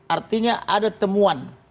artinya ada temuan